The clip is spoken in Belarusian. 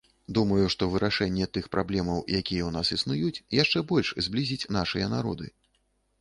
Думаю, што вырашэнне тых праблемаў, якія ў нас існуюць, яшчэ больш зблізіць нашыя народы.